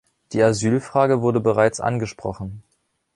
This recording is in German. Die Asylfrage wurde bereits angesprochen.